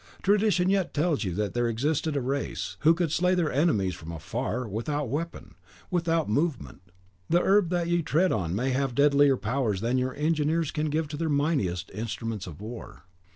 Tradition yet tells you that there existed a race ("Plut. Symp." l. 5. c. 7.) who could slay their enemies from afar, without weapon, without movement. The herb that ye tread on may have deadlier powers than your engineers can give to their mightiest instruments of war.